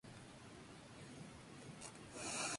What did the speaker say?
Dispone de dos accesos situados en el bulevar Raspail.